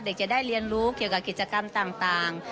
จะได้เรียนรู้เกี่ยวกับกิจกรรมต่าง